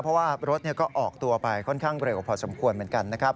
เพราะว่ารถก็ออกตัวไปค่อนข้างเร็วพอสมควรเหมือนกันนะครับ